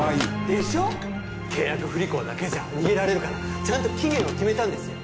でしょ契約不履行だけじゃ逃げられるからちゃんと期限を決めたんですよ